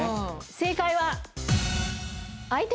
正解は。